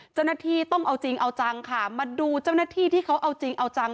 เจ้าหน้าที่ต้องเอาจริงเอาจังค่ะมาดูเจ้าหน้าที่ที่เขาเอาจริงเอาจัง